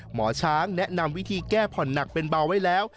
หมอช้างแนะนำวิธีแก้ผ่อนหนักเป็นเบาไว้แล้ว